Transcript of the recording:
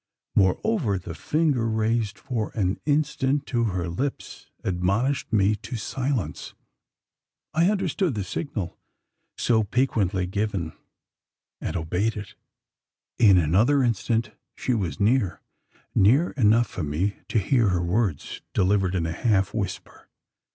Moreover, the finger, raised for an instant to her lips, admonished me to silence. I understood the signal, so piquantly given; and obeyed it. In another instant she was near near enough for me to hear her words delivered in a half whisper.